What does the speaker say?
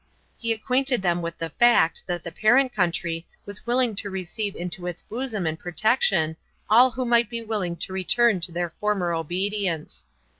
He acquainted them with the fact that the parent country was willing to receive into its bosom and protection all who might be willing to return to their former obedience.